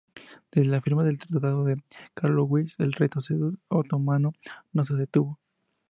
Desde la firma del tratado de Karlowitz, el retroceso otomano no se detuvo.